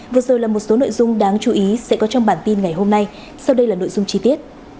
vừa rồi là một số nội dung đáng chú ý sẽ có trong bản tin ngày hôm nay sau đây là nội dung chi tiết